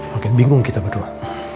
makin bingung kita berdua